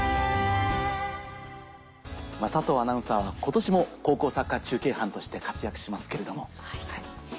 佐藤アナウンサーは今年も高校サッカー中継班として活躍しますけれども。